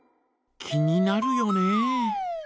気になるよね。